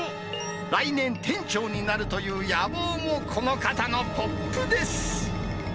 来年店長になるという野望も、この方のＰＯＰです。